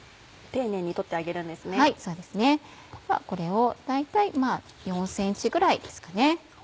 ではこれを大体４ｃｍぐらいですかね